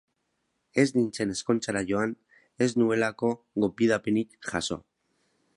Ez nintzen ezkontzara joan ez nuelako gonbidapenik jaso.